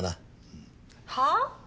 はあ？